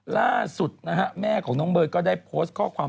ล่าสุดนะฮะแม่ของน้องเบิร์ตก็ได้โพสต์ข้อความ